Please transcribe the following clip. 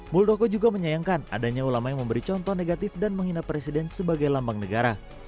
muldoko juga menyayangkan adanya ulama yang memberi contoh negatif dan menghina presiden sebagai lambang negara